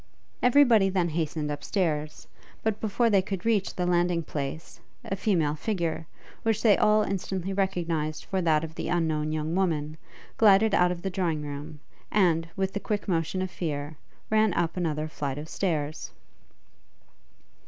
Every body then hastened up stairs; but before they could reach the landing place, a female figure, which they all instantly recognized for that of the unknown young woman, glided out of the drawing room, and, with the quick motion of fear, ran up another flight of stairs.